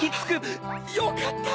よかった！